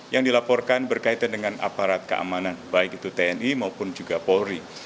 yang dilaporkan berkaitan dengan aparat keamanan baik itu tni maupun juga polri